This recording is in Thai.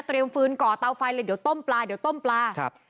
ฟืนก่อเตาไฟเลยเดี๋ยวต้มปลาเดี๋ยวต้มปลาครับ